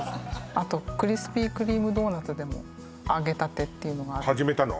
あとクリスピー・クリーム・ドーナツでも揚げたてっていうのが始めたの？